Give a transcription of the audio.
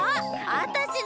あたしの！